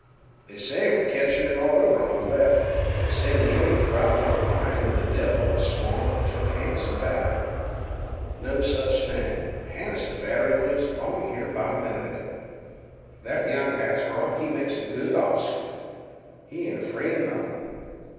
"They say we're catchin' it over on th' left. They say th' enemy driv' our line inteh a devil of a swamp an' took Hannises' batt'ry." "No sech thing. Hannises' batt'ry was 'long here 'bout a minute ago." "That young Hasbrouck, he makes a good off'cer. He ain't afraid 'a nothin'."